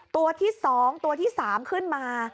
ตัวที่สองตัวที่สามขึ้นมา